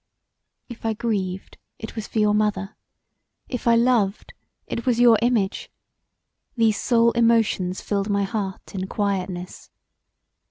If I grieved it was for your mother, if I loved it was your image; these sole emotions filled my heart in quietness.